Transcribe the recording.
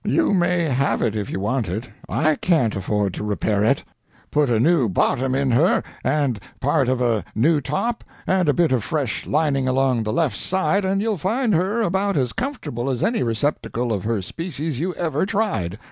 You may have it if you want it I can't afford to repair it. Put a new bottom in her, and part of a new top, and a bit of fresh lining along the left side, and you'll find her about as comfortable as any receptacle of her species you ever tried.